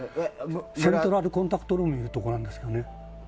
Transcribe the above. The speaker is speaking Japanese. セントラルコンタクトルームっていうところなんですけどね。